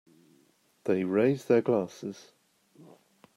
They raise their glasses.